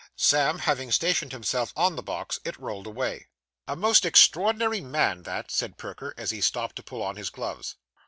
Sam having stationed himself on the box, it rolled away. 'A most extraordinary man that!' said Perker, as he stopped to pull on his gloves.